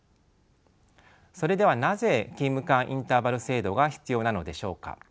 それではなぜ勤務間インターバル制度が必要なのでしょうか。